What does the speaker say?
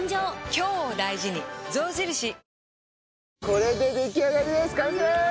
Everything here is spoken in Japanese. これで出来上がりです。